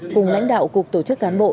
cùng lãnh đạo cục tổ chức cán bộ